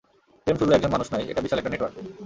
প্রেম শুধু একজন মানুষ নয়, এটা বিশাল একটা নেটওয়ার্ক।